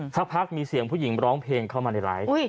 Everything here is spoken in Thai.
สักพักมีเสียงผู้หญิงร้องเพลงเข้ามาในไลฟ์